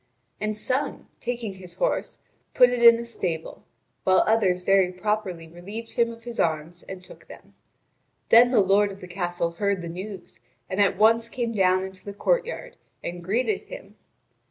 And some, taking his horse, put it in a stable: while others very properly relieved him of his arms and took them. Then the lord of the castle heard the news, and at once came down into the courtyard, and greeted him.